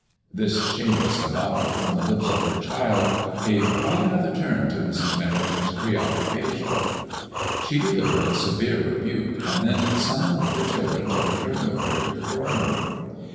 This shameless avowal from the lips of her child gave quite another turn to Mrs. Merring ton's preoccupation. She de livered a severe rebuke, and then summoned the children to return with her to the drawing room.